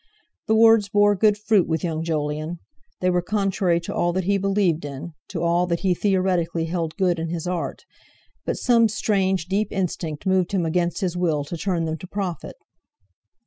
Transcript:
The words bore good fruit with young Jolyon; they were contrary to all that he believed in, to all that he theoretically held good in his Art, but some strange, deep instinct moved him against his will to turn them to profit.